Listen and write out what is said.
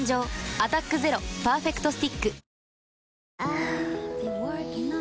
「アタックＺＥＲＯパーフェクトスティック」